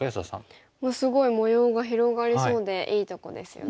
もうすごい模様が広がりそうでいいとこですよね。